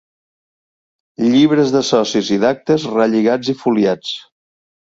Llibres de socis i d'actes, relligats i foliats.